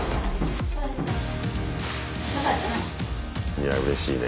いやうれしいね。